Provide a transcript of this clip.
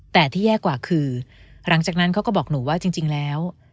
แต่ที่แย่กว่าคือหลังจากนั้นเขาก็บอกหนูว่าจริงแล้ว